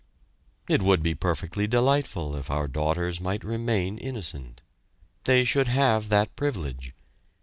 It would be perfectly delightful if our daughters might remain innocent. They should have that privilege.